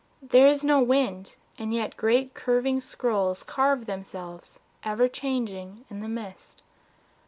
There is no wind, and yet great curving scrolls Carve themselves, ever changing, in the mist.